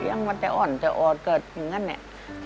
มาแต่อ่อนแต่ออดเกิดอย่างนั้นเนี่ย